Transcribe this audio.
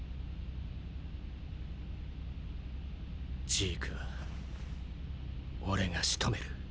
ジークは俺が仕留める。